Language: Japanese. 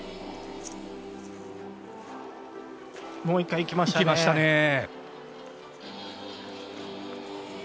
もう一回いきましたね。